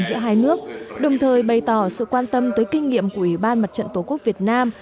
giữa hai nước đồng thời bày tỏ sự quan tâm tới kinh nghiệm của ủy ban mặt trận tổ quốc việt nam